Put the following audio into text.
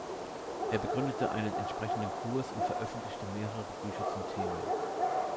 Er begründete einen entsprechenden Kurs und veröffentlichte mehrere Bücher zum Thema.